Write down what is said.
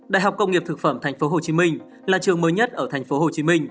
đại học công nghiệp thực phẩm tp hcm là trường mới nhất ở tp hcm